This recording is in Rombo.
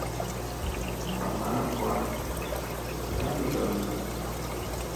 Mama akwa nalilole.